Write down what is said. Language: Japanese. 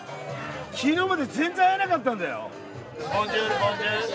昨日まで全然会えなかったんだよ。